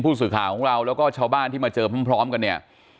ผู้สื่อข่าวของเราแล้วก็ชาวบ้านที่มาเจอพร้อมกันเนี่ย